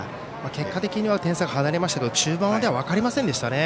結果的には点差が離れましたけども中盤は分かりませんでしたね